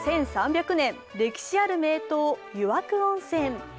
１３００年、歴史ある名湯湯涌温泉。